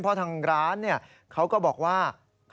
เป็นทางร้านก็บอกว่า